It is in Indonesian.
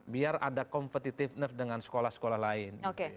biar ada competitive nerd dengan sekolah sekolah lain